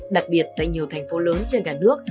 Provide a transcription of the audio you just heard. đặc biệt tại nhiều thành phố lớn trên cả nước